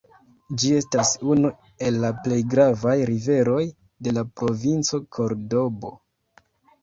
Ĝi estas unu el la plej gravaj riveroj de la provinco Kordobo.